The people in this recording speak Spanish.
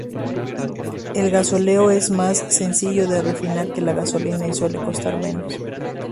El gasóleo es más sencillo de refinar que la gasolina y suele costar menos.